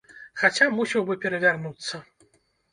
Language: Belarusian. Хаця мусіў бы перавярнуцца.